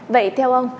vậy theo ông